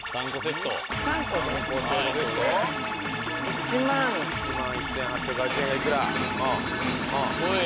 １万１１８８０円がいくらこい